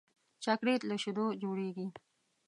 چاکلېټ له شیدو جوړېږي.